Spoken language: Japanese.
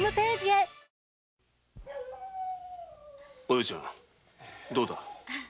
お葉ちゃんどうだ？